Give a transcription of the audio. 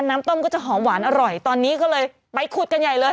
น้ำต้มก็จะหอมหวานอร่อยตอนนี้ก็เลยไปขุดกันใหญ่เลย